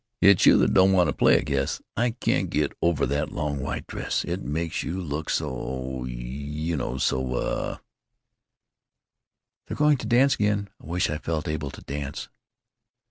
"It's you that don't want to play, I guess.... I can't get over that long white dress. It makes you look so—oh, you know, so, uh——" "They're going to dance again. I wish I felt able to dance."